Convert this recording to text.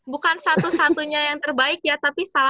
bukan satu satunya yang terbaik ya tapi salah satu ya